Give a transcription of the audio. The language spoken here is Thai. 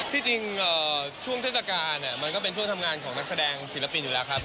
ที่จริงช่วงเทศกาลมันก็เป็นช่วงทำงานของนักแสดงศิลปินอยู่แล้วครับ